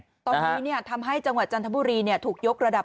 ตอนนี้ทำให้จังหวัดจันทบุรีถูกยกระดับ